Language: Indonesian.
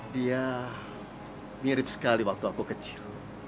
dia mirip sekali waktu aku kecil